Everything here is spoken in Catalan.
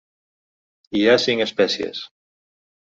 Hi ha cinc espècies.